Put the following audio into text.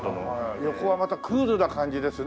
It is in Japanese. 横はまたクールな感じですね。